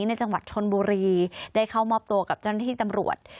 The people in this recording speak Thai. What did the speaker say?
ในจังหวัดชนบุรีได้เข้ามอบตัวกับเจ้าหน้าที่ตำรวจ